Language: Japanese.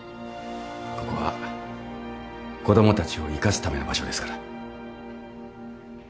ここは子供たちを生かすための場所ですから。